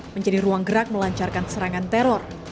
menjadi ruang gerak melancarkan serangan teror